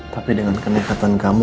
tapi dengan kenekatan kamu